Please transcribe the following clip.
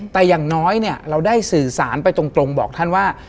แต่อย่างน้อยเนี่ยเราได้สื่อสารไปตรงบอกท่านว่า